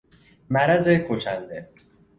مرض کشنده